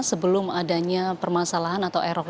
sebelum adanya permasalahan